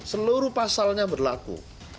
seluruh pasalnya berlaku